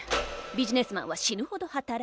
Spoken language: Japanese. ビジネスマンは死ぬほど働く。